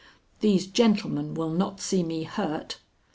"These gentlemen will not see me hurt."